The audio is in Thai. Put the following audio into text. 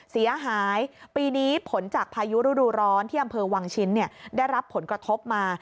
เสียหายปีนี้ผลจากพายุฤดูร้อนที่อำเภอวังชิ้นได้รับผลกระทบมา